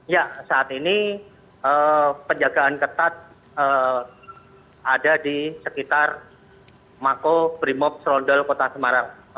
ya saat ini penjagaan ketat ada di sekitar makobrimop serondol kota smerang